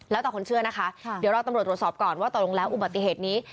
แล้วแต่คนเชื่อนะคะเดี๋ยวรอตำรวจตรวจสอบก่อนว่าตกลงแล้วอุบัติเหตุนี้